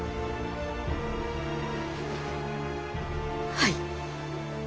はい。